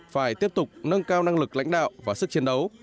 phải tiếp tục nâng cao năng lực lãnh đạo và sức chiến đấu